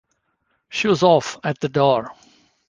Shoes off at the door.